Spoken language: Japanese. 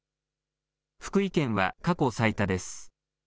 福井県は過去最多です。